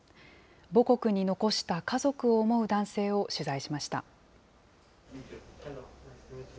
母国に残した家族を思う男性を取材しました。